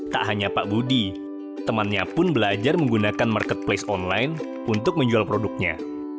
tak hanya pak budi temannya pun belajar menggunakan marketplace online untuk menjual produknya